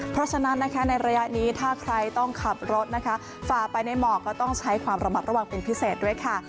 เพราะฉะนั้นนะคะในระยะนี้ถ้าใครต้องขับรถนะคะฝ่าไปในหมอกก็ต้องใช้ความระมัดระวังเป็นพิเศษด้วยค่ะ